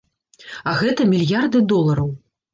А гэта мільярды долараў.